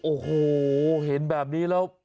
โอ้โหเห็นแบบนี้แล้ว